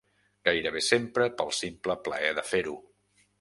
Gairebé sempre pel simple plaer de fer-ho.